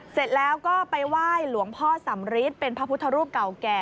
เสร็จแล้วก็ไปไหว้หลวงพ่อสำริทเป็นพระพุทธรูปเก่าแก่